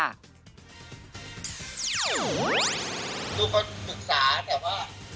ทุกคนปรึกษาแต่ว่า